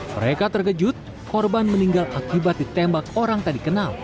mereka terkejut korban meninggal akibat ditembak orang tak dikenal